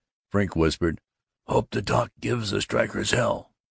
Frink whispered, "Hope the doc gives the strikers hell!